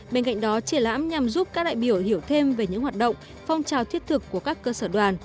bên cạnh đó triển lãm nhằm giúp các đại biểu hiểu thêm về những hoạt động phong trào thiết thực của các cơ sở đoàn